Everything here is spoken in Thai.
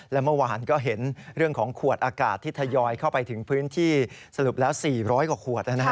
และเมื่อวานก็เห็นเรื่องของขวดอากาศที่ทยอยเข้าไปถึงพื้นที่สรุปแล้ว๔๐๐กว่าขวด